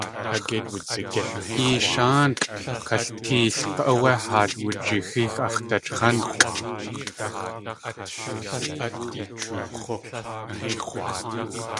Eesháankʼ kaltéelk̲ áwé haat wujixíx ax̲ dachx̲ánkʼ.